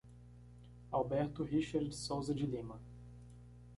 Alberto Richard Souza de Lima